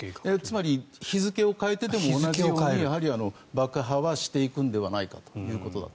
つまり、日付を変えてでも同じように爆破はしていくのではないかと。